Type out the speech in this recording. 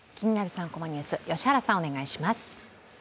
３コマニュース」、良原さん、お願いします。